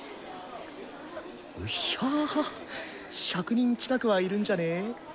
うっひゃ１００人近くはいるんじゃね？